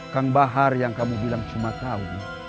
kang bahar yang kamu bilang cuma tahu